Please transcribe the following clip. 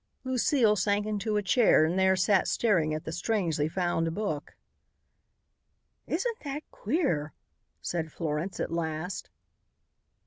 Lucile sank into a chair and there sat staring at the strangely found book. "Isn't that queer!" said Florence at last.